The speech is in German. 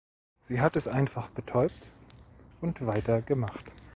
Sie hat es einfach betäubt und weiter gemacht.